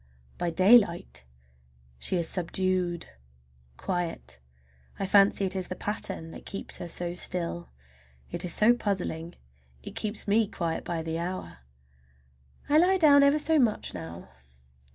By daylight she is subdued, quiet. I fancy it is the pattern that keeps her so still. It is so puzzling. It keeps me quiet by the hour. I lie down ever so much now.